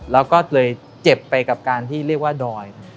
แล้วก็เลยเจ็บไปกับการที่เรียกว่าดอย